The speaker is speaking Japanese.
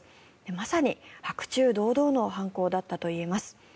まさに白昼堂々の犯行だったといいます。